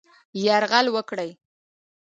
یرغل وکړي.